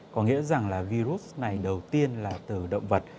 có nghĩa rằng là virus này đầu tiên là từ động vật